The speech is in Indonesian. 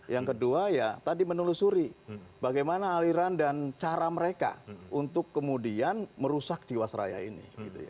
yang kedua ya tadi menelusuri bagaimana aliran dan cara mereka untuk kemudian merusak jiwasraya ini